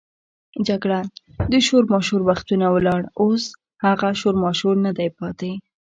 جګړن: د شورماشور وختونه ولاړل، اوس هغه شورماشور نه دی پاتې.